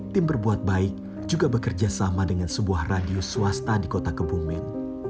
tim berbuat baik juga bekerja sama dengan sebuah radio swasta di kota kebumen